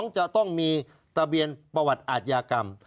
จะต้องมีทะเบียนประวัติอาชญากรรม